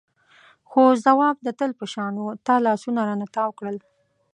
خو ځواب د تل په شان و تا لاسونه رانه تاو کړل.